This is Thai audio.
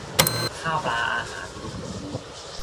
ข้าวปลาอาหาร อุดมสมบูรณ์